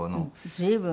随分。